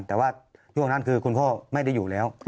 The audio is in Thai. แต่ว่าช่วงนั้นคือคุณพ่อไม่ได้อยู่แล้ว